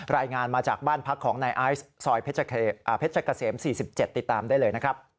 รายงานมาจากบ้านพักของนายไอซ์ซอยเพชรเกษม๔๗ติดตามได้เลยนะครับ